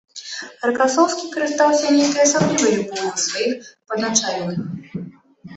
Ракасоўскі карыстаўся нейкай асаблівай любоўю ў сваіх падначаленых.